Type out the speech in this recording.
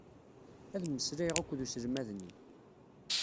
Ad mmeslayeɣ akked uselmad-nni.